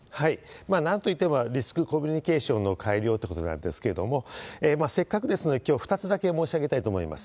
なんと言ってもリスクコミュニケーションの改良ということなんですけれども、せっかくですので、きょう、２つだけ申し上げたいと思います。